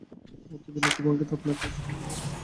অতি বিনীত ভঙ্গিতে আপনাকে আসতে বলি।